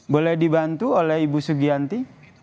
boleh dibantu oleh ibu sugianti